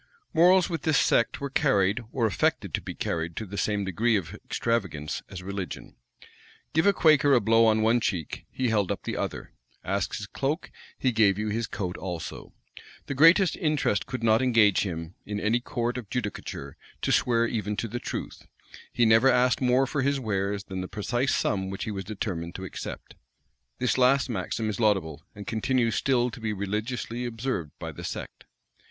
Morals with this sect were carried, or affected to be carried to the same degree of extravagance as religion. Give a Quaker a blow on one cheek, he held up the other: ask his cloak, he gave you his coat also; the greatest interest could not engage him, in any court of judicature, to swear even to the truth: he never asked more for his wares than the precise sum which he was determined to accept. This last maxim is laudable, and continues still to be religiously observed by the sect.